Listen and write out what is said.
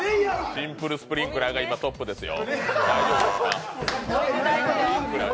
シンプルスプリンクラーが今、トップですよ。